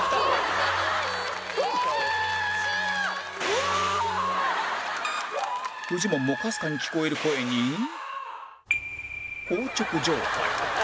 フジモンもかすかに聞こえる声に硬直状態